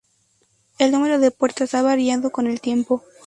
El número de puertas ha variado con el tiempo.